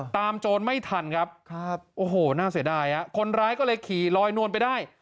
โจรไม่ทันครับโอ้โหน่าเสียดายคนร้ายก็เลยขี่ลอยนวลไปได้